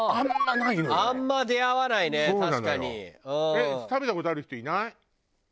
えっ食べた事ある人いない？